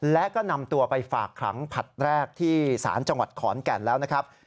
และก็นำตัวไปฝากขังผลัดแรกที่ศาลจังหวัดขอนแก่นแล้วนะครับ